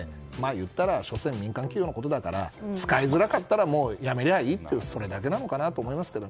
言ったら、しょせん民間企業のことだから使いづらかったらやめりゃいいってそれだけなのかなと思いますけど。